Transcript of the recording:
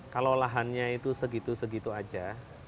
kalau lahannya itu segitu segitu aja